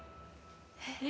えっ？